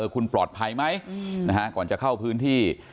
คุณปลอดภัยไหมก่อนจะเข้าพื้นที่